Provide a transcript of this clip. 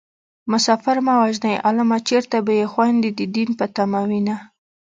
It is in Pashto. مسافر مه وژنئ عالمه چېرته به يې خويندې د دين په تمه وينه